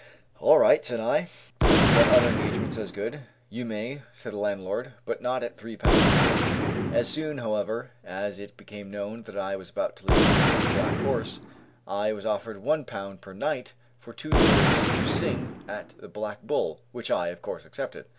"All right," said I; "I can get other engagements as good." "You may," said the landlord, "but not at Ł3 per week." As soon, however, as it became known that I was about to leave the Black Horse, I was offered Ł1 per night for two years to sing at the Black Bull, which I, of course, accepted.